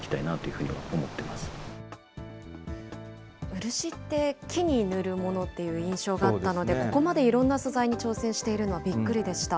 漆って、木に塗るものっていう印象があったので、ここまでいろんな素材に挑戦しているのはびっくりでした。